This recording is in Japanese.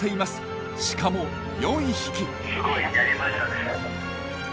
しかも４匹。